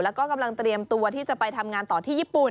แล้วก็กำลังเตรียมตัวที่จะไปทำงานต่อที่ญี่ปุ่น